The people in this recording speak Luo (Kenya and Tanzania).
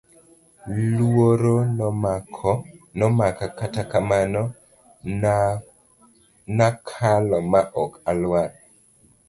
Luoro nomaka kata kamano nakalo ma ok alwar.